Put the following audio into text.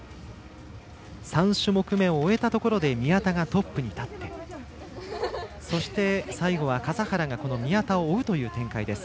３種目めを終えたところで宮田がトップに立ってそして、最後は笠原が宮田を追うという展開です。